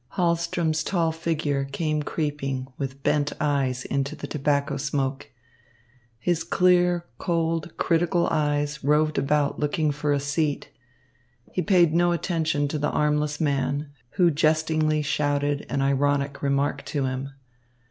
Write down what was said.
Hahlström's tall figure came creeping with bent head into the tobacco smoke. His clear, cold, critical eyes roved about looking for a seat. He paid no attention to the armless man, who jestingly shouted an ironic remark to him.